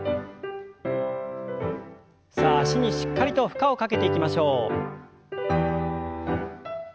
さあ脚にしっかりと負荷をかけていきましょう。